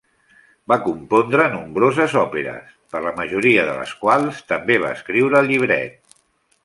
Va compondre nombroses òperes, per la majoria de les quals també va escriure el llibret.